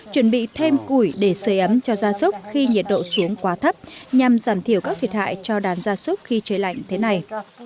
chuẩn bị thêm củi để sửa ấm cho gia súc khi nhiệt độ xuống quá thấp nhằm giảm thiểu các thiệt hại cho đàn gia súc khi chơi lạnh thế này